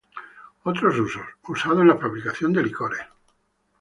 Otros usos: usado en la fabricación de licores.